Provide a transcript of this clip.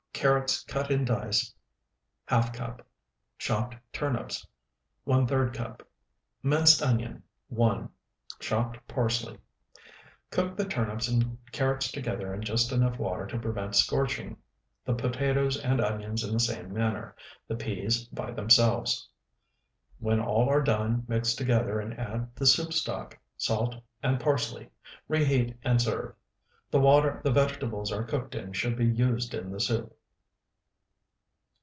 Carrots cut in dice, ½ cup. Chopped turnips, ⅓ cup. Minced onion, 1. Chopped parsley. Cook the turnips and carrots together in just enough water to prevent scorching, the potatoes and onions in the same manner, the peas by themselves. When all are done, mix together and add the soup stock, salt, and parsley; reheat, and serve. The water the vegetables are cooked in should be used in the soup.